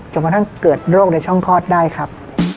กระทั่งเกิดโรคในช่องคลอดได้ครับ